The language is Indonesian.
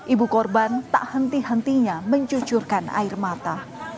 ibu korban tak henti hentinya mencucurkan air mata